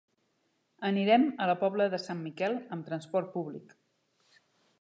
Anirem a la Pobla de Sant Miquel amb transport públic.